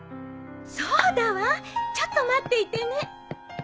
そうだわちょっと待っていてね。